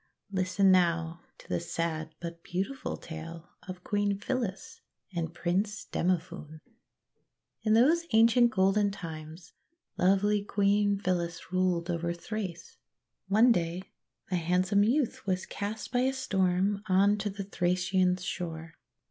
Listen, now, to the sad but beautiful tale of Queen Phyllis and Prince Demophoon. In those ancient golden times lovely Queen Phyllis ruled over Thrace. One day a handsome youth was cast by a storm on to the Thracian shore.